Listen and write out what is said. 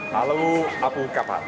lalu apu kapal